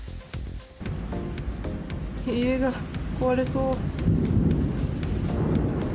家が壊れそう。